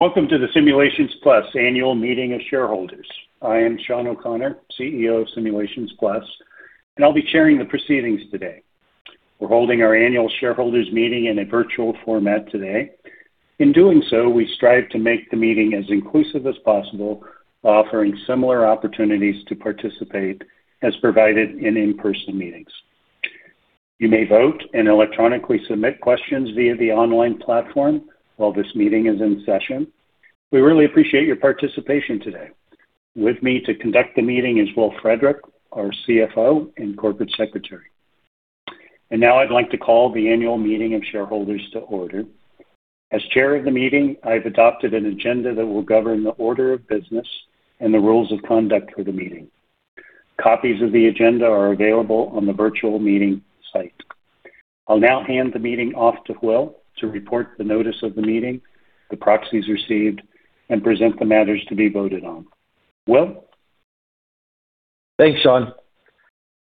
Welcome to the Simulations Plus Annual Meeting of Shareholders. I am Shawn O'Connor, CEO of Simulations Plus, and I'll be chairing the proceedings today. We're holding our annual shareholders meeting in a virtual format today. In doing so, we strive to make the meeting as inclusive as possible, offering similar opportunities to participate as provided in in-person meetings. You may vote and electronically submit questions via the online platform while this meeting is in session. We really appreciate your participation today. With me to conduct the meeting is Will Frederick, our CFO and corporate secretary. Now I'd like to call the annual meeting of shareholders to order. As chair of the meeting, I've adopted an agenda that will govern the order of business and the rules of conduct for the meeting. Copies of the agenda are available on the virtual meeting site. I'll now hand the meeting off to Will to report the notice of the meeting, the proxies received, and present the matters to be voted on. Will? Thanks, Shawn.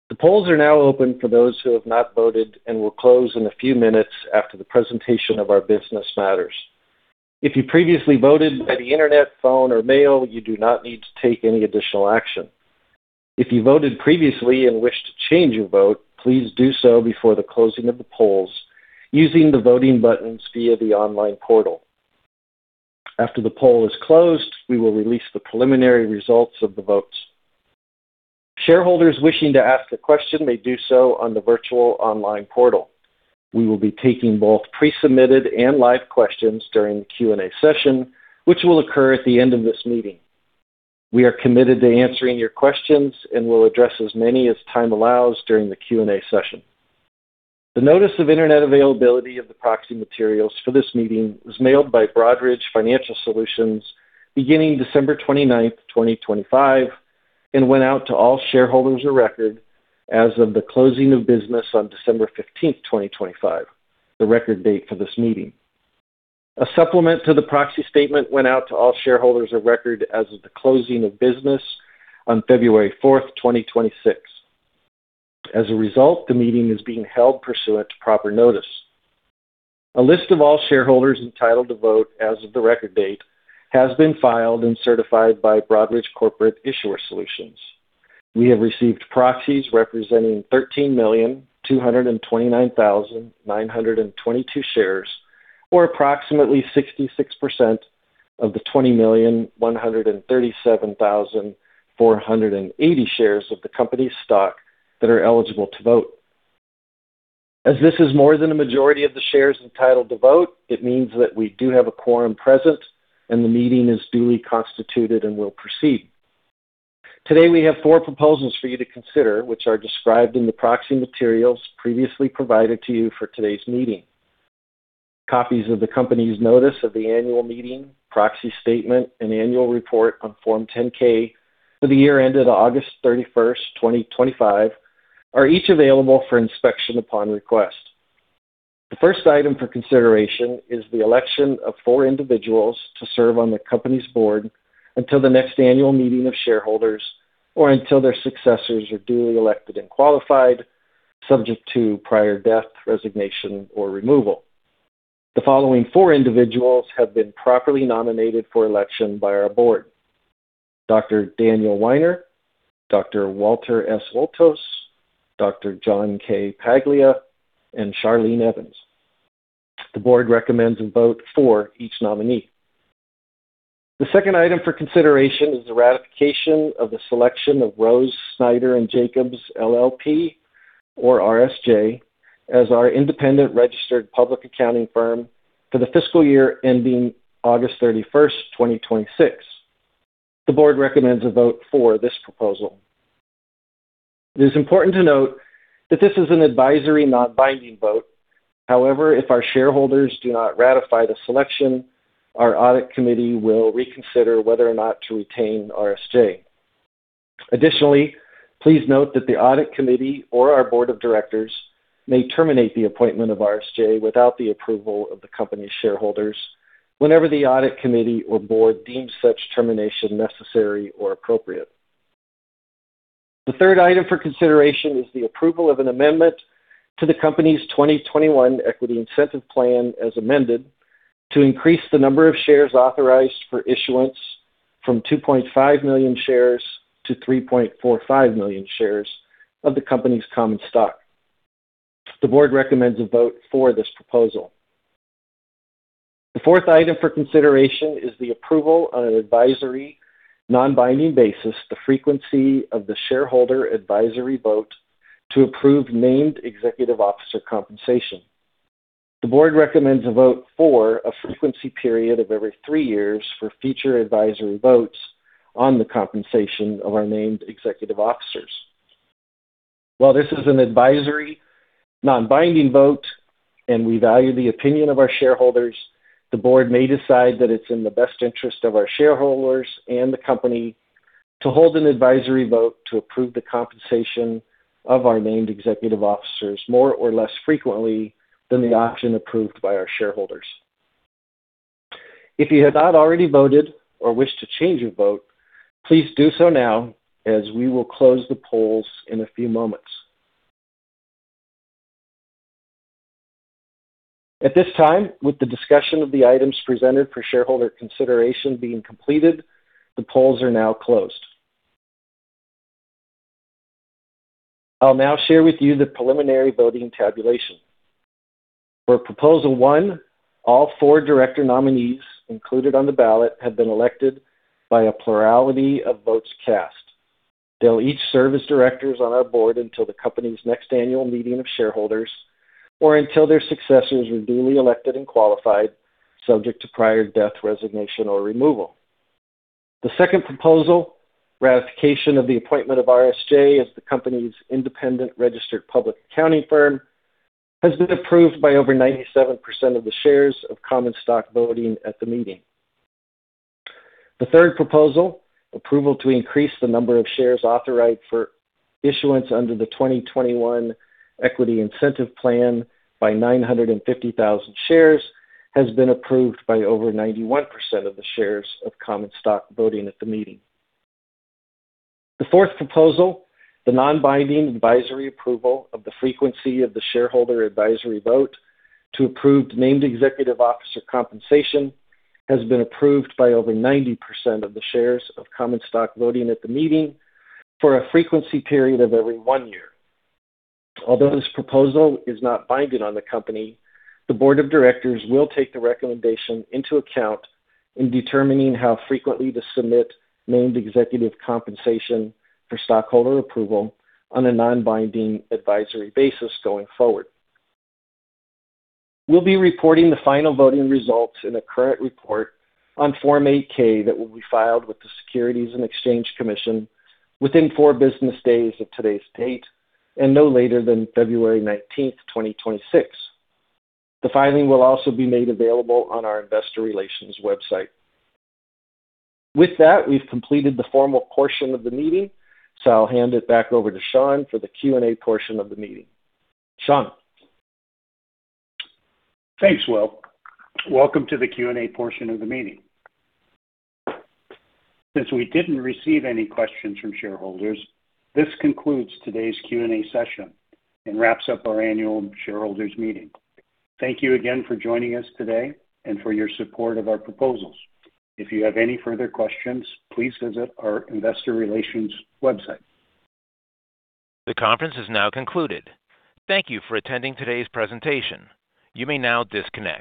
The polls are now open for those who have not voted and will close in a few minutes after the presentation of our business matters. If you previously voted by the Internet, phone, or mail, you do not need to take any additional action. If you voted previously and wish to change your vote, please do so before the closing of the polls using the voting buttons via the online portal. After the poll is closed, we will release the preliminary results of the votes. Shareholders wishing to ask a question may do so on the virtual online portal. We will be taking both pre-submitted and live questions during the Q&A session, which will occur at the end of this meeting. We are committed to answering your questions and will address as many as time allows during the Q&A session. The notice of Internet availability of the proxy materials for this meeting was mailed by Broadridge Financial Solutions beginning December 29, 2025, and went out to all shareholders of record as of the closing of business on December 15, 2025, the record date for this meeting. A supplement to the Proxy Statement went out to all shareholders of record as of the closing of business on February 4, 2026. As a result, the meeting is being held pursuant to proper notice. A list of all shareholders entitled to vote as of the record date has been filed and certified by Broadridge Corporate Issuer Solutions. We have received proxies representing 13,229,922 shares, or approximately 66% of the 20,137,480 shares of the company's stock that are eligible to vote. As this is more than a majority of the shares entitled to vote, it means that we do have a quorum present and the meeting is duly constituted and will proceed. Today, we have 4 proposals for you to consider, which are described in the proxy materials previously provided to you for today's meeting. Copies of the company's notice of the annual meeting, proxy statement, and annual report on Form 10-K for the year ended August 31, 2025, are each available for inspection upon request. The first item for consideration is the election of four individuals to serve on the company's board until the next annual meeting of shareholders or until their successors are duly elected and qualified, subject to prior death, resignation, or removal. The following four individuals have been properly nominated for election by our board: Dr. Daniel Weiner, Dr. Walter S. Woltosz, Dr. John K. Paglia, and Sharlene Evans. The board recommends a vote for each nominee. The second item for consideration is the ratification of the selection of Rose, Snyder & Jacobs LLP, or RSJ, as our independent registered public accounting firm for the fiscal year ending August 31, 2026. The board recommends a vote for this proposal. It is important to note that this is an advisory, not binding vote. However, if our shareholders do not ratify the selection, our audit committee will reconsider whether or not to retain RSJ. Additionally, please note that the audit committee or our board of directors may terminate the appointment of RSJ without the approval of the company's shareholders whenever the audit committee or board deems such termination necessary or appropriate. The third item for consideration is the approval of an amendment to the company's 2021 Equity Incentive Plan, as amended, to increase the number of shares authorized for issuance from 2.5 million shares to 3.45 million shares of the company's common stock. The board recommends a vote for this proposal. The fourth item for consideration is the approval on an advisory, non-binding basis, the frequency of the shareholder advisory vote to approve named executive officer compensation. The board recommends a vote for a frequency period of every three years for future advisory votes on the compensation of our named executive officers. While this is an advisory, non-binding vote, and we value the opinion of our shareholders, the board may decide that it's in the best interest of our shareholders and the company to hold an advisory vote to approve the compensation of our named executive officers more or less frequently than the option approved by our shareholders. If you have not already voted or wish to change your vote, please do so now, as we will close the polls in a few moments…. At this time, with the discussion of the items presented for shareholder consideration being completed, the polls are now closed. I'll now share with you the preliminary voting tabulation. For proposal one, all four director nominees included on the ballot have been elected by a plurality of votes cast. They'll each serve as directors on our board until the company's next annual meeting of shareholders or until their successors are duly elected and qualified, subject to prior death, resignation, or removal. The second proposal, ratification of the appointment of RSJ as the company's independent registered public accounting firm, has been approved by over 97% of the shares of common stock voting at the meeting. The third proposal, approval to increase the number of shares authorized for issuance under the 2021 Equity Incentive plan by 950,000 shares, has been approved by over 91% of the shares of common stock voting at the meeting. The fourth proposal, the non-binding advisory approval of the frequency of the shareholder advisory vote to approve named executive officer compensation, has been approved by over 90% of the shares of common stock voting at the meeting for a frequency period of every 1 year. Although this proposal is not binding on the company, the board of directors will take the recommendation into account in determining how frequently to submit named executive compensation for stockholder approval on a non-binding advisory basis going forward. We'll be reporting the final voting results in a current report on Form 8-K that will be filed with the Securities and Exchange Commission within 4 business days of today's date, and no later than February 19, 2026. The filing will also be made available on our investor relations website. With that, we've completed the formal portion of the meeting, so I'll hand it back over to Shawn for the Q&A portion of the meeting. Shawn? Thanks, Will. Welcome to the Q&A portion of the meeting. Since we didn't receive any questions from shareholders, this concludes today's Q&A session and wraps up our annual shareholders meeting. Thank you again for joining us today and for your support of our proposals. If you have any further questions, please visit our investor relations website. The conference is now concluded. Thank you for attending today's presentation. You may now disconnect.